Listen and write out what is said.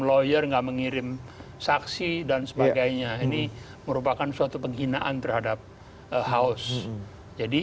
lawyer nggak mengirim saksi dan sebagainya ini merupakan suatu penghinaan terhadap house jadi